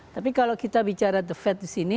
tapi kalau kita bicara the fed di sini